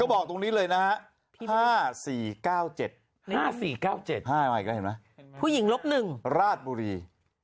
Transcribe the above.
ก็บอกตัวโน้นเลยนะครับ๕๔๙๗๔๙๙พลียงลบ๑ราศบุรี